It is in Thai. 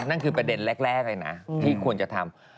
นั่นคือประเด็นแรกเลยนะที่ควรจะทำ